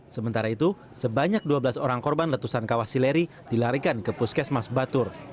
sementara itu sebanyak dua belas orang korban letusan kawah sileri dilarikan ke puskesmas batur